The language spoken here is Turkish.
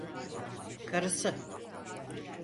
Karısı…